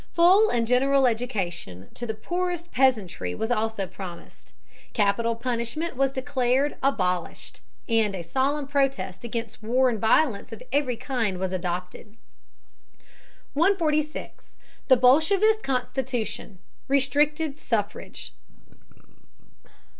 Full and general education to the poorest peasantry was also promised. Capital punishment was declared abolished, and a solemn protest against war and violence of every kind was adopted. 146. THE BOLSHEVIST CONSTITUTION: RESTRICTED SUFFRAGE.